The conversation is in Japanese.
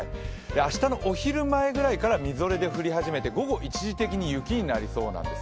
明日のお昼前ぐらいからみぞれで降り始めて、午後一時的に雪やみずれになりそうなんですよ。